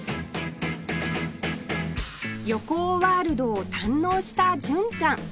横尾ワールドを堪能した純ちゃん